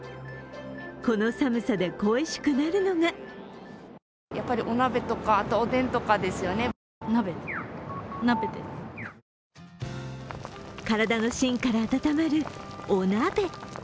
この寒さで恋しくなるのが体の芯から温まるお鍋。